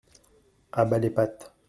À bas les pattes !